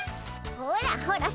ほらほら